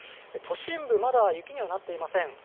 都心部、まだ雪にはなっていません。